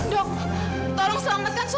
dok tolong selamatkan suami saya